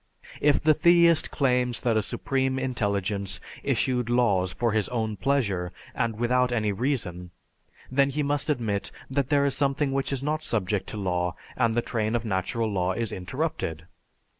If the theist claims that a supreme intelligence issued laws for his own pleasure and without any reason, then he must admit that there is something which is not subject to law and the train of natural law is interrupted.